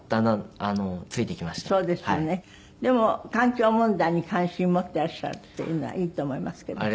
でも環境問題に関心を持っていらっしゃるっていうのはいいと思いますけどね。